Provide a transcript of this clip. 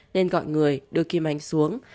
nên gọi người đưa kim anh xuống